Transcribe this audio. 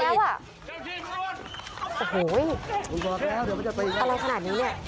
อะไรขนาดนี้นี่